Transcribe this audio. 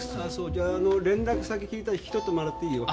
じゃあ連絡先聞いたら引き取ってもらっていいよ。